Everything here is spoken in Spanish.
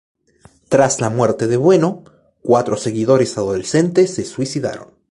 Tras la muerte de Bueno, cuatro seguidores adolescentes se suicidaron.